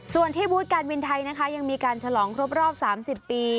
ส่วนที่บูธการบินไทยนะคะยังมีการฉลองครบรอบ๓๐ปี